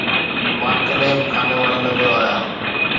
مان ڪڏهن به خانيوال نه ويو آهيان